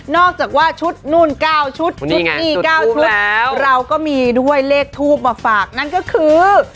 จากว่าชุดนู่น๙ชุดชุดนี้๙ชุดเราก็มีด้วยเลขทูปมาฝากนั่นก็คือ